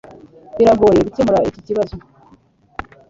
Biragoye gukemura iki kibazo.